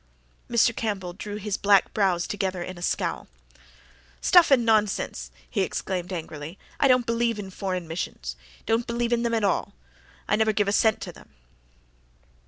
Mr. Campbell drew his black brows together in a scowl. "Stuff and nonsense!" he exclaimed angrily. "I don't believe in Foreign Missions don't believe in them at all. I never give a cent to them."